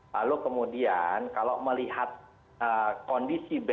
lalu kemudian kalau melihat kondisi b